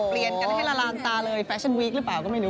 เปลี่ยนกันให้ละลานตาเลยแฟชั่นวีคหรือเปล่าก็ไม่รู้